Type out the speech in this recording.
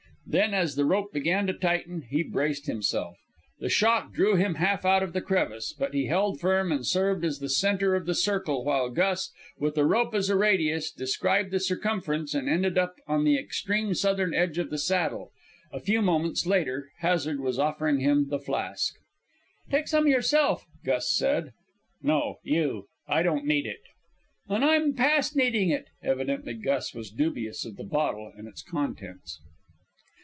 Then, as the rope began to tighten, he braced himself. The shock drew him half out of the crevice; but he held firm and served as the center of the circle, while Gus, with the rope as a radius, described the circumference and ended up on the extreme southern edge of the Saddle. A few moments later Hazard was offering him the flask. "Take some yourself," Gus said. "No; you. I don't need it." "And I'm past needing it." Evidently Gus was dubious of the bottle and its contents.